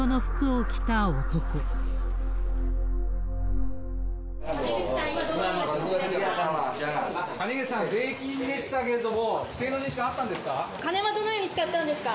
谷口さん、谷口さん、税金でしたけれども、不正の認識はあったんですか？